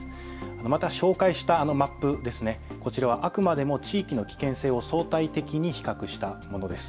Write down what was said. また紹介したマップ、こちらはあくまでも地域の危険性を相対的に比較したものです。